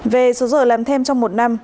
về số giờ làm thêm trong một năm